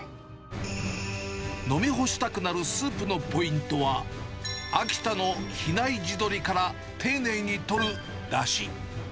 飲み干したくなるスープのポイントは、秋田の比内地鶏から丁寧に取るだし。